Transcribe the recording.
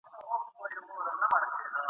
پام چي توی نه کړې مرغلیني اوښکي ..